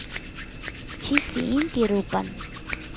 chisi inti rupan